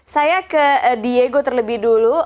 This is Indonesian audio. saya ke diego terlebih dulu